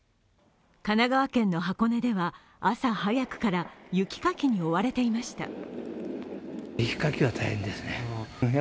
神奈川県の箱根では朝早くから雪かきに追われていました。